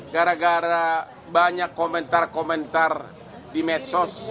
gara gara banyak komentar komentar di medsos